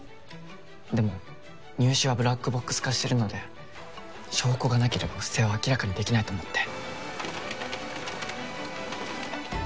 でも入試はブラックボックス化してるので証拠がなければ不正を明らかにできないと思って。